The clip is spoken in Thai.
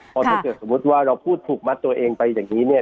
เพราะถ้าเกิดสมมุติว่าเราพูดถูกมัดตัวเองไปอย่างนี้เนี่ย